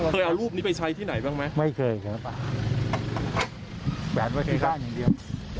เอารูปนี้ไปใช้ที่ไหนบ้างไหมไม่เคยครับแขวนไว้ในบ้านอย่างเดียว